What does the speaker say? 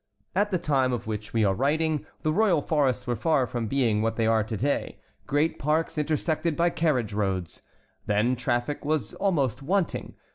At the time of which we are writing, the royal forests were far from being what they are to day, great parks intersected by carriage roads. Then traffic was almost wanting.